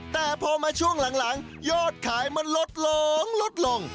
แต่พอมาช่วงหลังโยชน์ขายมันลดลง